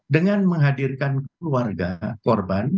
dengan menghadirkan keluarga korban